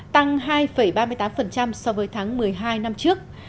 tăng hai ba mươi tám so với tháng một mươi hai năm trước